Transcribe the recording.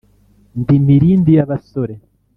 Ndi Mirindi y’abasore